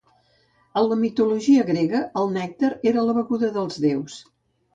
En la mitologia grega, el nèctar era la beguda dels déus.